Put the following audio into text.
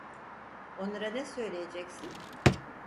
Onlara ne söyleyeceksin?